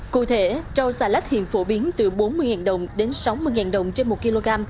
cụ thể rau xà lách hiện phổ biến từ bốn mươi đồng đến sáu mươi đồng trên một kg